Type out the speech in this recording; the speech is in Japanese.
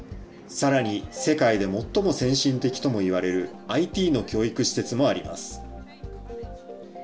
さらに世界で最も先進的ともいわれるＩＴの教育施設もあります。